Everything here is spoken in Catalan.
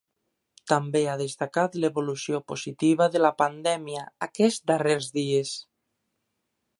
També ha destacat l’evolució positiva de la pandèmia aquests darrers dies.